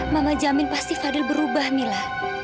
mama jamin pasti fadil berubah mila